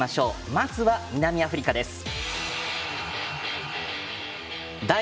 まずは南アフリカです。